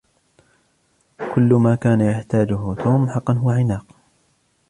كل ما كان يحتاجه توم حقاً هو عناق.